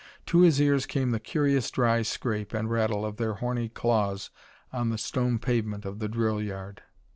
To his ears came the curious dry scrape and rattle of their horny claws on the stone pavement of the drill yard.